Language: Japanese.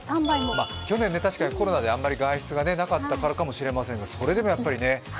去年確かにコロナであまり外出がなかったからかもしれませんが、それでもやはりね。